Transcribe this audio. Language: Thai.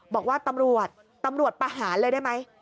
บอกว่าตำรวจตำรวจประหารเลยได้ไหม